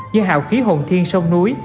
như hào khí hồn thiên sông núi